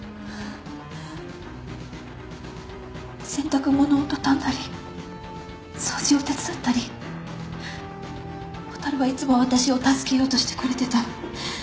洗濯物を畳んだり掃除を手伝ったりほたるはいつも私を助けようとしてくれてた。